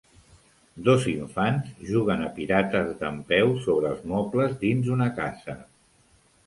Dos infants jugant a pirates dempeus sobre els mobles dins una casa.